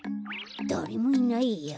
だれもいないや。